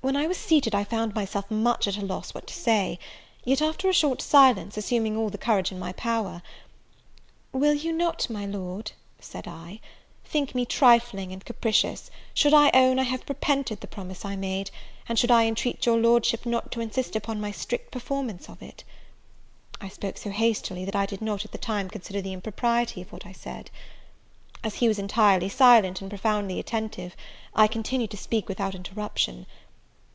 When I was seated, I found myself much at a loss what to say; yet, after a short silence, assuming all the courage in my power, "Will you not, my Lord," said I, "think me trifling and capricious, should I own I have repented the promise I made, and should I entreat your Lordship not to insist upon my strict performance of it?" I spoke so hastily, that I did not, at the time, consider the impropriety of what I said. As he was entirely silent, and profoundly attentive, I continued to speak without interruption.